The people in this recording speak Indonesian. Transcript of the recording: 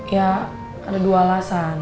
ya ada dua alasan